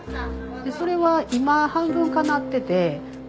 それは今半分叶ってて。